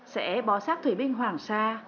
sẽ bó sát thủy binh hoàng sa